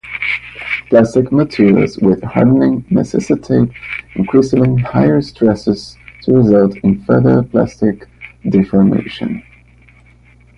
Plastic materials with hardening necessitate increasingly higher stresses to result in further plastic deformation.